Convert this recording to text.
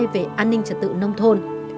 về an ninh trật tự nông thôn